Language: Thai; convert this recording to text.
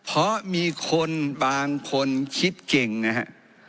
เพราะมีคนบางคนคิดเก่งนะฮะ